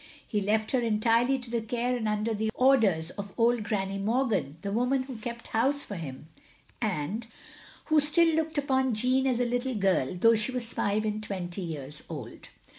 He left her entirely to the care and under the orders of old Granny Morgan, the woman who kept house for him, and 42 THE LONELY LADY who still looked upon Jeanne as a little girl, though she was five and twenty years old.